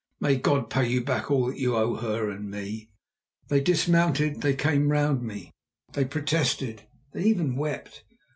May God pay you back all you owe her and me!" They dismounted, they came round me, they protested, they even wept.